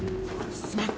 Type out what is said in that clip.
すまん。